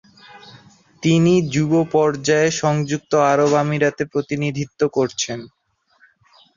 তিনি যুব পর্যায়ে সংযুক্ত আরব আমিরাতের প্রতিনিধিত্ব করেছেন।